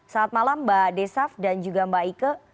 saat malam mbak desaf dan juga mbak ike